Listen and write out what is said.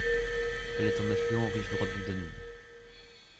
Elle est un affluent en rive droite du Danube.